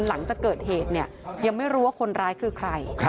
หลังจากเกิดเหตุเนี่ยยังไม่รู้ว่าคนร้ายคือใคร